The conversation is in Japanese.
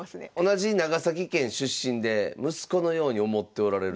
同じ長崎県出身で息子のように思っておられるということで。